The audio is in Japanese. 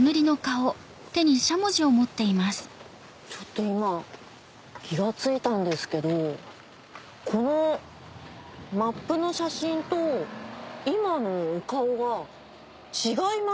ちょっと今気が付いたんですけどこのマップの写真と今のお顔が違います。